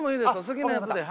好きなやつで。